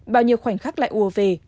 bao nhiêu khoảnh khắc lại ùa về